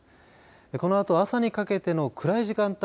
このあと朝にかけての暗い時間帯